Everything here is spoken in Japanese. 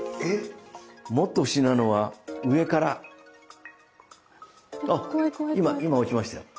もっと不思議なのは上からあっ今落ちましたよ。